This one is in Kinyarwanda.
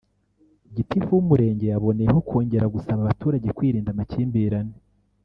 Gitifu w’Umurenge yaboneyeho kongera gusaba abaturage kwirinda amakimbirane